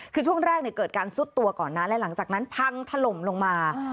คือช่วงแรกเกิดการซุดตัวก่อนนะและหลังจากนั้นพังถล่มลงมา